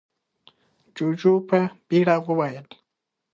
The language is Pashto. جُوجُو په بيړه وويل: